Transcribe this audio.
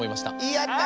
やった！